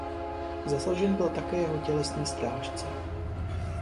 Zasažen byl také jeho tělesný strážce.